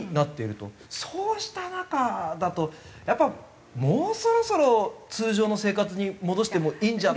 そうした中だとやっぱもうそろそろ通常の生活に戻してもいいんじゃ。